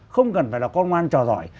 không cần phải là con ngoan trò giỏi